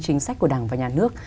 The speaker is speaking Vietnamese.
chính sách của đảng và nhà nước